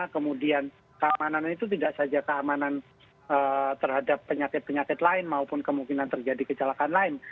kemudian keamanan itu tidak saja keamanan terhadap penyakit penyakit lain maupun kemungkinan terjadi kecelakaan lain